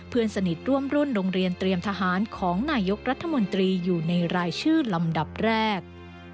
เพื่อนสนิทร่วมรุ่นโรงเรียนเตรียมทหารของนายกรัฐมนตรีอยู่ในรายชื่อลำดับแรก